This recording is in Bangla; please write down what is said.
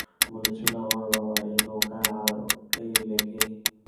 বলেছিলেন আমার বাবা, এই নৌকায়, আর এই লেকেই।